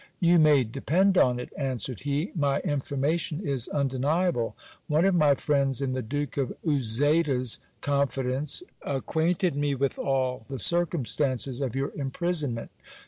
You may depend on it, answered he, my information is undeniable. One of my friends in the Duke of Uzeda's confidence acquainted me with all the cir cumstances of your imprisonment.